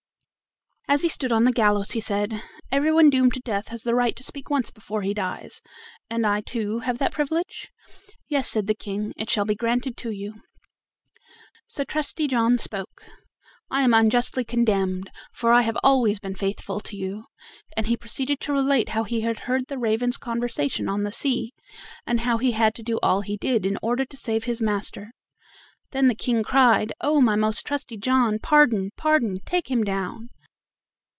As he stood on the gallows he said: "Every one doomed to death has the right to speak once before he dies; and I too have that privilege?" "Yes," said the King, "it shall be granted to you." So Trusty John spoke: "I am unjustly condemned, for I have always been faithful to you"; and he proceeded to relate how he had heard the ravens' conversation on the sea, and how he had to do all he did in order to save his master. Then the King cried: "Oh! my most trusty John, pardon! pardon! Take him down."